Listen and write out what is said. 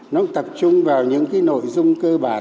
nó tập trung vào những cái nội dung cơ bản